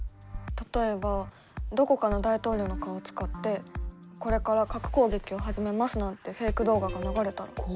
例えばどこかの大統領の顔を使って「これから核攻撃を始めます」なんてフェイク動画が流れたら。